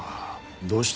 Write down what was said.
どうした？